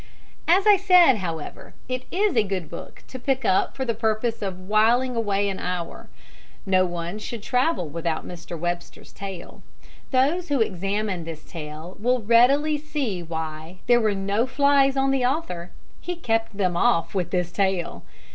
As I said, however, it is a good book to pick up for the purpose of whiling away an idle hour. No one should travel without Mr. Webster's tale. Those who examine this tale will readily see why there were no flies on the author. He kept them off with this tale.